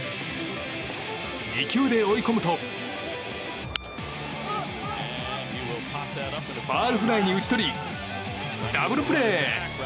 ２球で追い込むとファウルフライに打ち取りダブルプレー。